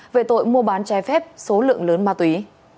về tội mua bán trái phép số lượng lớn ma túy